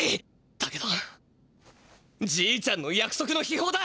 だけどじいちゃんのやくそくの秘宝だ。